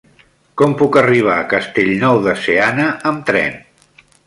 Com puc arribar a Castellnou de Seana amb tren?